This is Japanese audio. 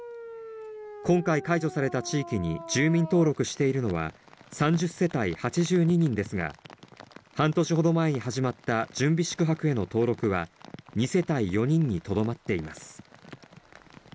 今回解除された地域に住民登録しているのは３０世帯８２人ですが、半年ほど前に始まった準備宿泊への登録は、２世帯４人にとどまっています。